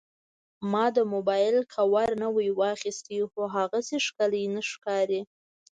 ما د موبایل کاور نوی واخیست، خو هغسې ښکلی نه ښکاري.